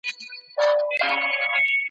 راځه ولاړ سو له دې ښاره مرور سو له جهانه `